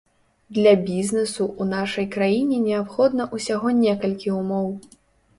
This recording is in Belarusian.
Для бізнэсу ў нашай краіне неабходна ўсяго некалькі умоў.